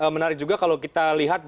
menarik juga kalau kita lihat